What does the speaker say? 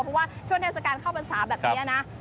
เพราะว่าช่วงเทศกาลเข้าพรรษาแบบนี้นะ